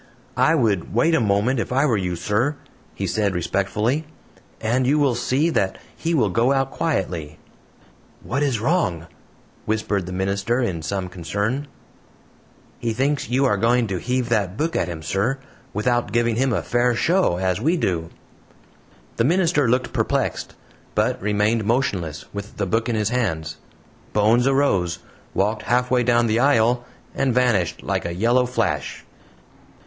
"I would wait a moment, if I were you, sir," he said, respectfully, "and you will see that he will go out quietly." "What is wrong?" whispered the minister in some concern. "He thinks you are going to heave that book at him, sir, without giving him a fair show, as we do." The minister looked perplexed, but remained motionless, with the book in his hands. Bones arose, walked halfway down the aisle, and vanished like a yellow flash!